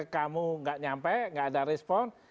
kamu nggak nyampe gak ada respon